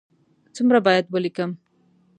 څومره باید ولیکم؟